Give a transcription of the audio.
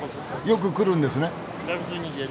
よく来るんですね？